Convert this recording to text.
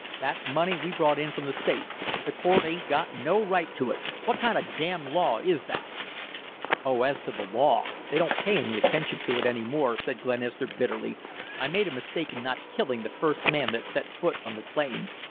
That's money we brought in from the States. The court 'ain't got no right to it. What kind of a damn law is that?" "Oh, as to law, they don't pay any attention to it any more," said Glenister, bitterly. "I made a mistake in not killing the first man that set foot on the claim.